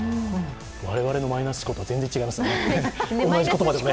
我々のマイナス思考とは全然違いますね、同じ言葉でもね。